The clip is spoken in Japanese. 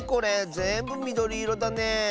ぜんぶみどりいろだね。